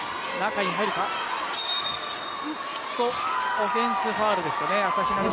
オフェンスファウルですね。